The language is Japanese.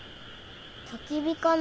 たき火かな？